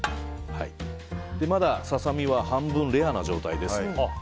まだササミは半分レアな状態です。